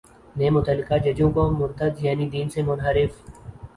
نے متعلقہ ججوں کو مرتد یعنی دین سے منحرف